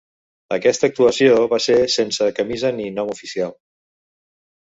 Aquesta actuació va ésser sense camisa ni nom oficial.